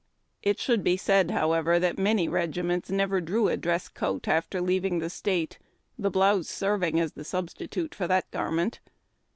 It should be said, however, that many regiments never drew a dress coat after leaving the state, the blouse serving as the substitute for that garment.